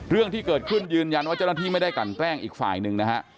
เรื่องที่เกิดขึ้นยืนยันว่าเจ้าหน้าที่ไม่ได้กลั่นแกล้งอีกฝ่ายหนึ่งนะฮะ